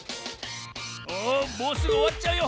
おもうすぐおわっちゃうよ。